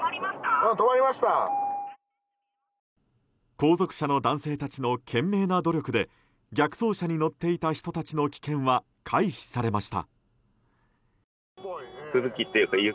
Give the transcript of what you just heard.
後続車の男性たちの懸命な努力で逆走車に乗っていた人たちの危険は回避されました。